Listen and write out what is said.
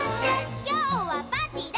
「きょうはパーティーだ！」